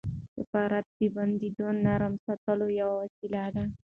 سپورت د بندونو نرم ساتلو یوه وسیله ده.